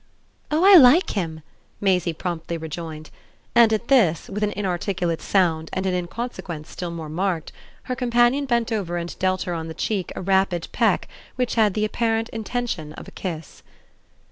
"Oh I LIKE him!" Maisie promptly rejoined; and at this, with an inarticulate sound and an inconsequence still more marked, her companion bent over and dealt her on the cheek a rapid peck which had the apparent intention of a kiss.